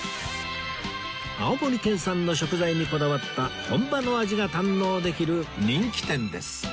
青森県産の食材にこだわった本場の味が堪能できる人気店です